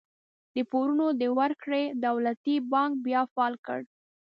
د پورونو د ورکړې دولتي بانک بیا فعال کړ.